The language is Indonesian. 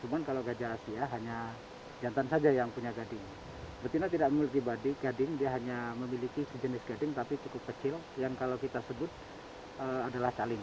cuman kalau gajah asia hanya jantan saja yang punya gading betina tidak memiliki badik gading dia hanya memiliki sejenis gading tapi cukup kecil yang kalau kita sebut adalah caling